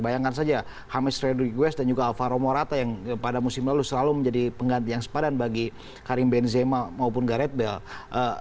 bayangkan saja hamish redriques dan juga alvaro morata yang pada musim lalu selalu menjadi pengganti yang sepadan bagi karim benzema maupun garet bell